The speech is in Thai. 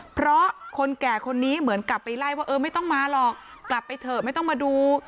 เพราะคนแก่คนนี้เหมือนกลับไปไล่ว่าเออไม่ต้องมาหรอกกลับไปเถอะไม่ต้องมาดู